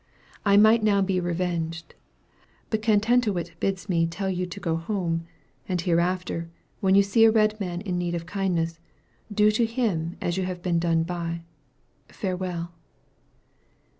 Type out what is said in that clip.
I might now be revenged; but Cantantowwit bids me tell you to go home; and hereafter, when you see a red man in need of kindness, do to him as you have been done by. Farewell."